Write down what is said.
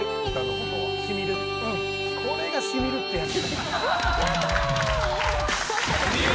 これが染みるってやつ。